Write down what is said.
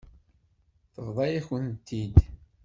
Tebḍa-yak-tent-id.